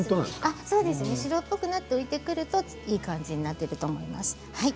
白っぽくなって浮いてくるといい感じだと思います。